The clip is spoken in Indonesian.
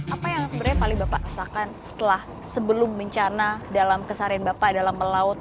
apa yang sebenarnya paling bapak rasakan setelah sebelum bencana dalam keseharian bapak dalam melaut